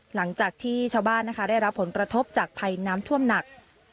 หลังจากที่ชาวบ้านนะคะได้รับผลกระทบจากภัยน้ำท่วมหนัก